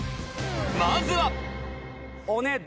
まずはお値段・